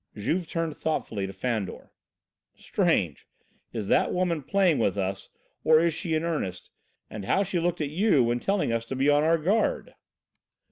Juve turned thoughtfully to Fandor: "Strange! Is this woman playing with us, or is she in earnest, and how she looked at you when telling us to be on our guard!"